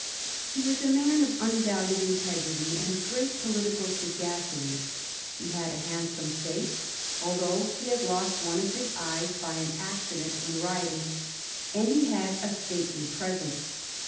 He was a man of undoubted integrity and great political sagacity ; he had a handsome face, although he had lost one of his eyes by an accident when riding, and he had a stately presence.